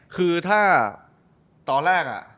คือถ้าตอนแรก